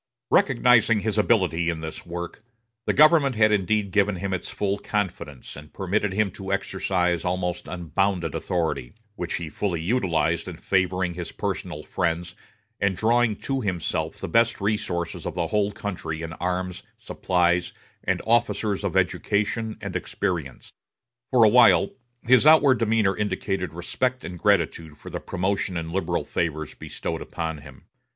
Recognizing his ability in this work, the government had indeed given him its full confidence, and permitted him to exercise almost unbounded authority; which he fully utilized in favoring his personal friends, and drawing to himself the best resources of the whole country in arms, supplies, and officers of education and experience. For a while his outward demeanor indicated respect and gratitude for the promotion and liberal favors bestowed upon him.